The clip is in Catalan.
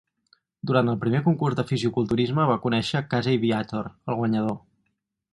Durant el primer concurs de fisioculturisme va conèixer Casey Viator, el guanyador.